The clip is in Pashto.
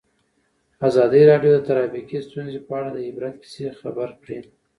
ازادي راډیو د ټرافیکي ستونزې په اړه د عبرت کیسې خبر کړي.